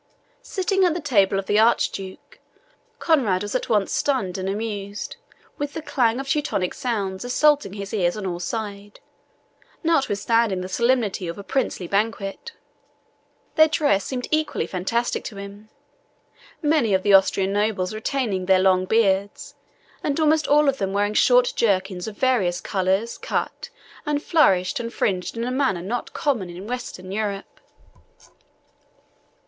Sitting at the table of the Archduke, Conrade was at once stunned and amused with the clang of Teutonic sounds assaulting his ears on all sides, notwithstanding the solemnity of a princely banquet. Their dress seemed equally fantastic to him, many of the Austrian nobles retaining their long beards, and almost all of them wearing short jerkins of various colours, cut, and flourished, and fringed in a manner not common in Western Europe.